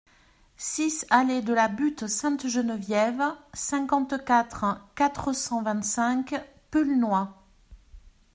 six allée de la Butte Sainte-Geneviève, cinquante-quatre, quatre cent vingt-cinq, Pulnoy